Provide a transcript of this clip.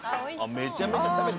めちゃめちゃ食べてる。